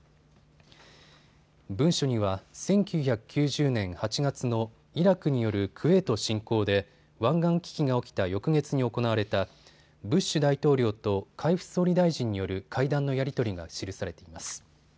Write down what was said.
文書には１９９０年８月のイラクによるクウェート侵攻で湾岸危機が起きた翌月に行われたブッシュ大統領と海部総理大臣による会談のやり取りが記されています。